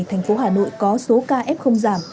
thành phố hà nội có số ca f giảm